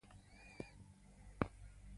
که زه تمرین وکړم، ځواک به زیات شي.